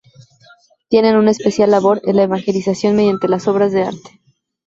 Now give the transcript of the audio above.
Tienen una especial labor en la evangelización mediante las obras de arte.